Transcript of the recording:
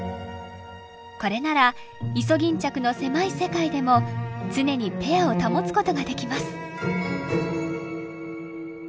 これならイソギンチャクの狭い世界でも常にペアを保つことができます。